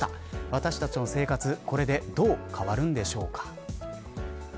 私たちの生活、これでどう変わるのでしょうか。